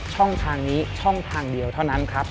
ช่องทางนี้ช่องทางเดียวเท่านั้นครับ